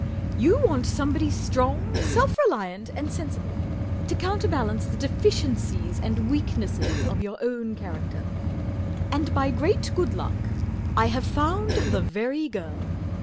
44 You want somebody strong, self reliant, and sensible, to counterbalance the deficien¬ cies and weaknesses of your own character. And by great good luck I have found the very girl.